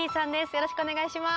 よろしくお願いします。